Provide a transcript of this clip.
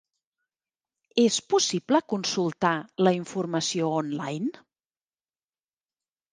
És possible consultar la informació online?